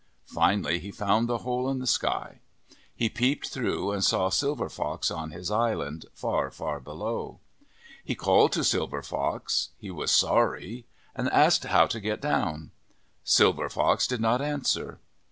Finally he found the hole in the sky. He peeped through and saw Silver Fox on his island, far, far below. He called to Silver Fox he was sorry, and asked how to get down. Silver Fox did not answer.